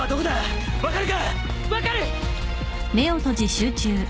分かる！